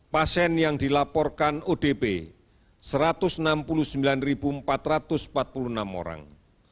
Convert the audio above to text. pasien yang dilaporkan odp satu ratus enam puluh sembilan empat ratus empat puluh enam orang